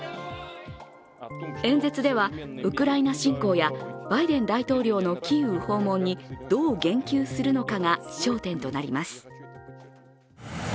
演説では、ウクライナ侵攻やバイデン大統領のキーウ訪問にどう言及するのかが焦点となります。